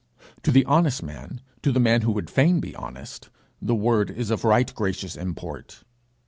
To the honest man, to the man who would fain be honest, the word is of right gracious import.